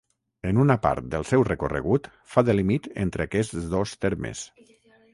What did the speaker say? En una part del seu recorregut fa de límit entre aquests dos termes.